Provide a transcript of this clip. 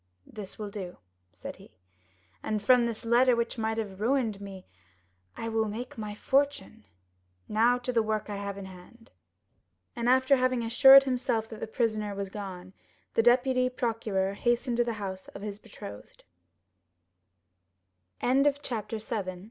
"This will do," said he, "and from this letter, which might have ruined me, I will make my fortune. Now to the work I have in hand." And after having assured himself that the prisoner was gone, the deputy procureur hastened to the house of his betrothed. 0107m Chapter 8.